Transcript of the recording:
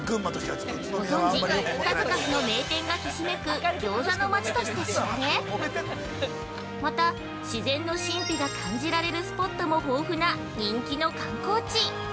ご存じ、数々の名店がひしめく餃子の町として知られまた、自然の神秘が感じられるスポットも豊富な人気の観光地。